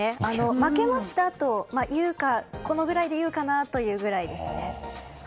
負けましたとこのぐらいで言うかなというぐらいですね。